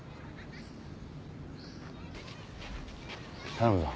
頼むぞ。